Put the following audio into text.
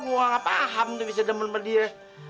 gue gak paham tuh bisa demen demen dia